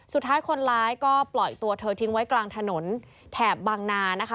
สุดท้ายคนร้ายก็ปล่อยตัวเธอทิ้งไว้กลางถนนแถบบางนานะคะ